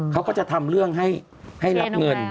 เขาก็จะทำเรื่องให้รับเงิน